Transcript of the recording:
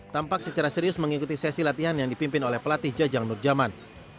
tampak secara serius mengikuti sesi latihan yang dipimpin oleh pelatih jajang nurjaman